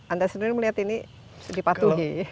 anda sendiri melihat ini dipatuhi